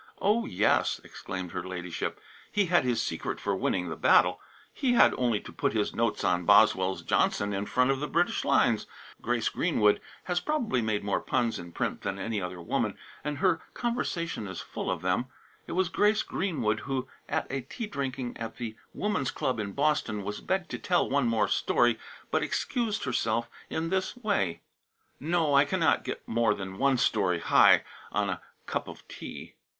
"Oh, yes," exclaimed her ladyship, "he had his secret for winning the battle. He had only to put his notes on Boswell's Johnson in front of the British lines, and all the Bonapartes that ever existed could never get through them!" "Grace Greenwood" has probably made more puns in print than any other woman, and her conversation is full of them. It was Grace Greenwood who, at a tea drinking at the Woman's Club in Boston, was begged to tell one more story, but excused herself in this way: "No, I cannot get more than one story high on a cup of tea!"